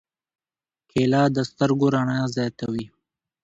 کېله د سترګو رڼا زیاتوي.